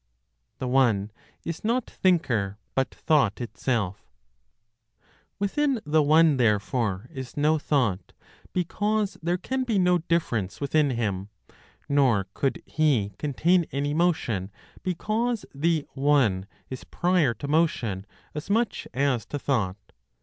THE ONE IS NOT THINKER BUT THOUGHT ITSELF. Within the One, therefore, is no thought, because there can be no difference within Him; nor could He contain any motion, because the One is prior to motion, as much as to thought.